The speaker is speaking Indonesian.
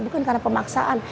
bukan karena pemaksaan